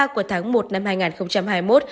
của tháng một năm hai nghìn hai mươi một